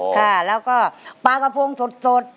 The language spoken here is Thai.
ค่ะแล้วก็ปลากระพงสด